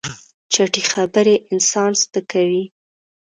چټي خبرې انسان سپکوي.